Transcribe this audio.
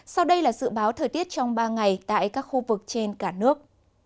sau đây là dự báo thời tiết trong ba ngày tại các khu vực trên cả nước